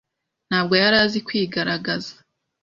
Ntabwo yari azi kwigaragaza